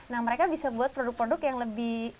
nah mereka bisa buat produk produk yang lebih